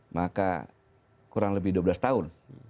maka kurang lebih dua belas tahun